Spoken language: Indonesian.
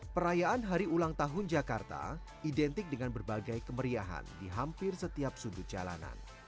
perayaan hari ulang tahun jakarta identik dengan berbagai kemeriahan di hampir setiap sudut jalanan